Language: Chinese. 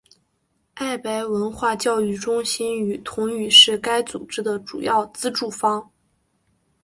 爱白文化教育中心与同语是该组织的主要资助方。